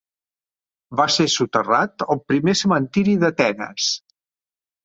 Va ser soterrat al primer cementiri d'Atenes.